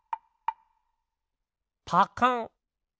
パカン。